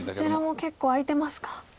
そちらも結構空いてますか。